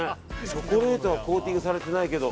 チョコレートはコーティングされてないけど。